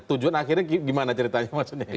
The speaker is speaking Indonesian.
tujuan akhirnya gimana ceritanya maksudnya